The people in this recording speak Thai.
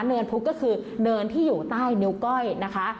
เนินพุกก็คือเนินที่อยู่ใต้นิ้วก้อยนะคะ